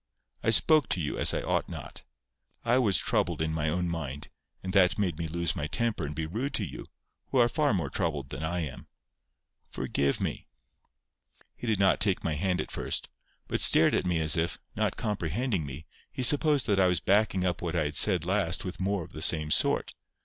I spoke to you as I ought not. I was troubled in my own mind, and that made me lose my temper and be rude to you, who are far more troubled than I am. Forgive me!" He did not take my hand at first, but stared at me as if, not comprehending me, he supposed that I was backing up what I had said last with more of the same sort.